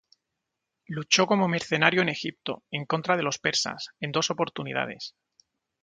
Luchó como mercenario en Egipto, en contra de los persas, en dos oportunidades.